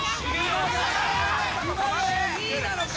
熊谷２位なのか？